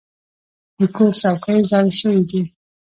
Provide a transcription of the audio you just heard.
د کور څوکۍ زاړه شوي دي.